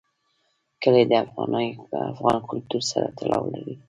کلي د افغان کلتور سره تړاو لري.